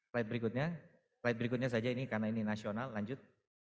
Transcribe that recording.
slide berikutnya slide berikutnya saja ini karena ini nasional lanjut